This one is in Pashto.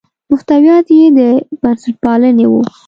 محتویات یې د بنسټپالنې وو.